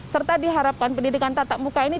serta diharapkan pendidikan tatap muka ini